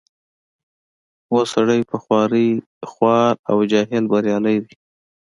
پوه سړی په خوارۍ خوار او جاهل بریالی دی.